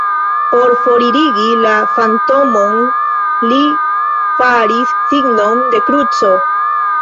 Por foririgi la fantomon, li faris signon de kruco.